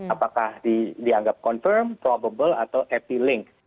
apakah dianggap confirm probable atau epi link